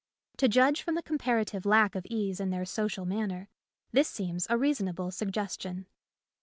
To judge from the comparative lack of ease in their social manner, this seems a reasonable suggestion.